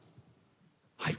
はい。